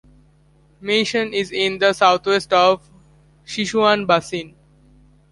Meishan is in the southwest of Sichuan Basin.